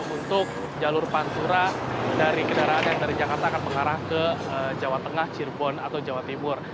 untuk jalur pantura dari kendaraan yang dari jakarta akan mengarah ke jawa tengah cirebon atau jawa timur